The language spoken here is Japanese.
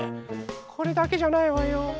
これだけじゃないわよ。